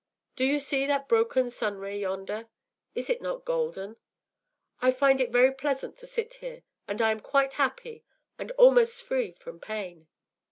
Do you see that broken sun ray yonder? Is it not golden? I find it very pleasant to sit here; and I am quite happy, and almost free from pain.